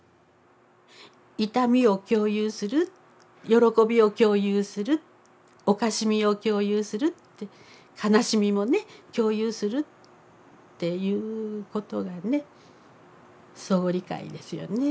痛みを共有する喜びを共有するおかしみを共有する悲しみもね共有するっていうことがね相互理解ですよね。